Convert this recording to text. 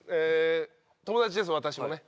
友達です私もね。